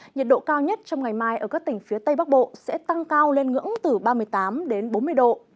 nhiệt độ cao nhất trong ngày mai ở các tỉnh phía tây bắc bộ sẽ tăng cao lên ngưỡng từ ba mươi tám đến bốn mươi độ